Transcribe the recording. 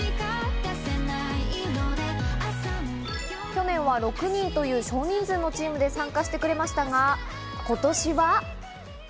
去年は６人という少人数のチームで参加してくれましたが、今年は。